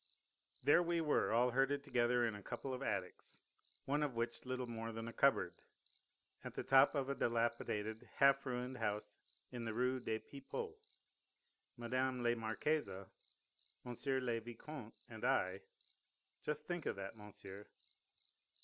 There we were all herded together in a couple of attics one of which little more than a cupboard at the top of a dilapidated half ruined house in the Rue des Pipots Mme. la Marquise, M. le Vicomte and I just think of that, monsieur!